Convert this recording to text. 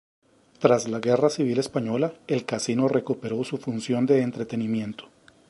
Tras la Guerra Civil Española, el Casino recuperó su función de entretenimiento.